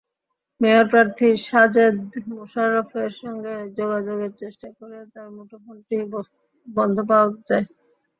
Mayor প্রার্থী সাজেদ মোশারফের সঙ্গে যোগাযোগের চেষ্টা করেও তাঁর মুঠোফোনটি বন্ধ পাওয়া যায়।